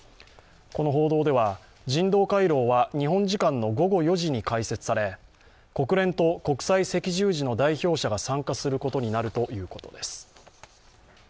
この報道では、人道回廊は日本時間の午後４時に開設され国連と国際赤十字の代表者が参加することになるということです。